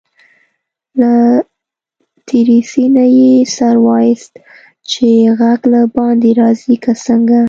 له دريڅې نه يې سر واېست چې غږ له باندي راځي که څنګه.